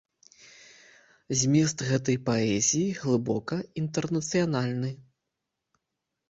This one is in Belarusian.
Змест гэтай паэзіі глыбока інтэрнацыянальны.